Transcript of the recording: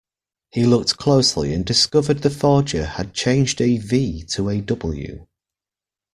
He looked closely and discovered the forger had changed a V to a W.